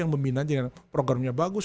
yang meminat programnya bagus